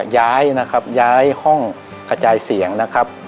ย้ายนะครับย้ายห้องกระจายเสียงนะครับ